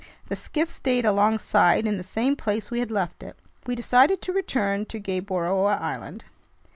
The skiff stayed alongside in the same place we had left it. We decided to return to Gueboroa Island.